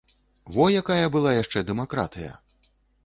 Во якая была яшчэ дэмакратыя!